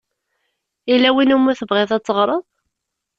Yella win i wumi tebɣiḍ ad teɣṛeḍ?